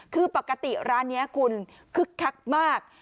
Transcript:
คือปกติร้านนี้คุณคึกคักมาก